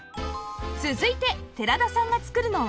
続いて寺田さんが作るのは